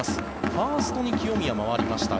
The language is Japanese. ファーストに清宮、回りました。